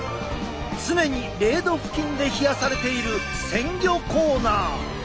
常に０度付近で冷やされている鮮魚コーナー！